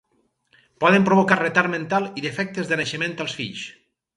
Poden provocar retard mental i defectes de naixement als fills.